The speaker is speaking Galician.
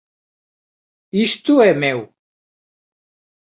Isto é meu!